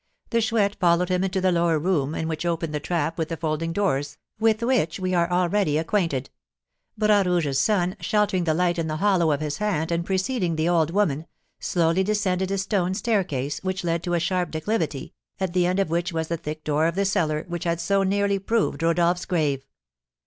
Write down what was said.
The Chouette followed him into the lower room, in which opened the trap with the folding doors, with which we are already acquainted. Bras Rouge's son, sheltering the light in the hollow of his hand, and preceding the old woman, slowly descended a stone staircase, which led to a sharp declivity, at the end of which was the thick door of the cellar which had so nearly proved Rodolph's grave.